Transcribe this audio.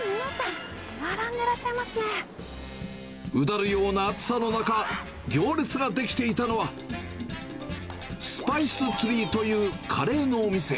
まあ、うだるような暑さの中、行列が出来ていたのは、スパイスツリーというカレーのお店。